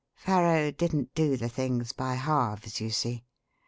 Farrow didn't do the thing by halves, you see.